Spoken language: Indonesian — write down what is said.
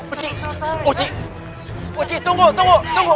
uci uci uci tunggu tunggu tunggu